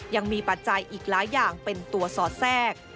ปัจจัยอีกหลายอย่างเป็นตัวสอดแทรก